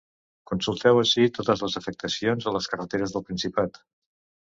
Consulteu ací totes les afectacions a les carreteres del Principat.